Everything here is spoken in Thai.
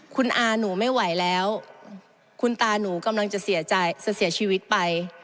คุณอาหนูไม่ไหวแล้วคุณตาหนูกำลังจะเสียใจจะเสียชีวิตไป